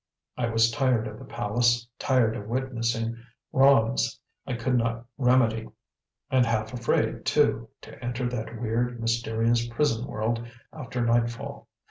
I was tired of the palace, tired of witnessing wrongs I could not remedy, and half afraid, too, to enter that weird, mysterious prison world after nightfall.